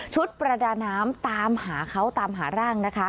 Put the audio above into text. ประดาน้ำตามหาเขาตามหาร่างนะคะ